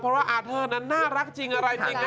เพราะว่าอาร์เทอร์นั้นน่ารักจริงอะไรจริง